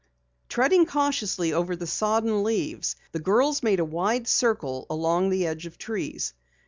Treading cautiously over the sodden leaves, the girls made a wide circle along the edge of trees.